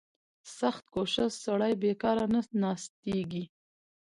• سختکوش سړی بېکاره نه ناستېږي.